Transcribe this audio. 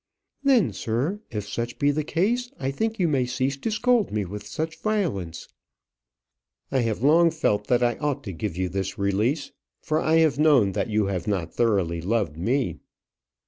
"Then, sir, if such be the case, I think you may cease to scold me with such violence." "I have long felt that I ought to give you this release; for I have known that you have not thoroughly loved me."